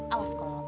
awas kalau lama